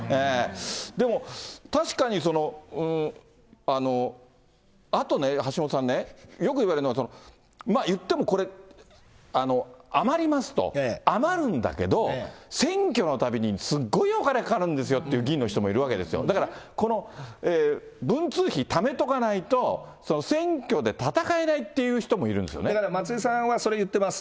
でも、確かに、あとね、橋下さんね、よく言われるのが、いってもこれ、余りますと、余るんだけど、選挙のたびにすごいお金、かかるんですよっていう議員の方もいるわけですよ、だから、この文通費ためとかないと、選挙で戦えないっていう人もいるんでだから松井さんは、それ言ってます。